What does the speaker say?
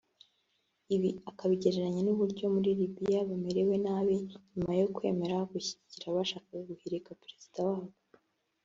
ibi akabigereranya n’uburyo muri Libiya bamerewe nabi nyuma yo kwemera gushyigikira abashakaga guhirika Perezida wabo